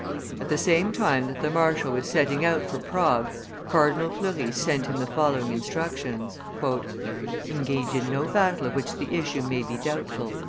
At the same time that the marshal was setting out for Prague, Cardinal Fleury sent him the following instructions: "Engage in no battle of which the issue may be doubtful."